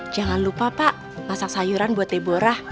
jangan lupa pak masak sayuran buat debora